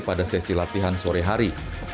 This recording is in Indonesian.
pada sesi latihan sore hari